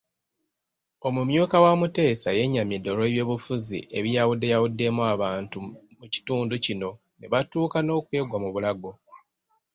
Omumyuka wa Muteesa yennyamidde olw'ebyobufuzi ebiyawuddeyawuddemu abantu mu kitundu kino nebatuuka n'okwegwa mu bulago.